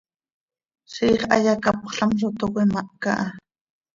Ziix hayacapxlam zo toc cöimahca ha.